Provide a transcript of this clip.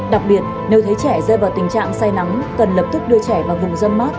đặc biệt nếu thấy trẻ rơi vào tình trạng say nắng cần lập tức đưa trẻ vào vùng dân mát